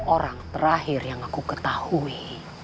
orang terakhir yang aku ketahui